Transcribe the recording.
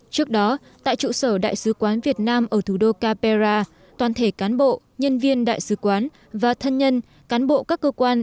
trước đó tại trụ sở đại sứ quán việt nam ở thủ đô capera toàn thể cán bộ nhân viên đại sứ quán và thân nhân cán bộ các cơ quan